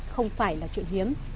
không phải là chuyện hiếm